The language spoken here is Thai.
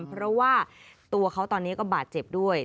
เพราะว่าตัวเขาตอนนี้ก็บาดเจ็บด้วย